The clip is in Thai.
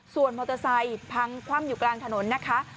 ส่วนมอเตอร์ไซค์พังคว่ำอยู่กลางถนนนะคะ